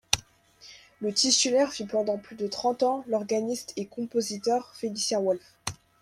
Le titulaire fut pendant plus de trente ans l'organiste et compositeur Félicien Wolff.